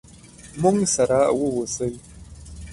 موږ سره ووسئ.